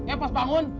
eh pas bangun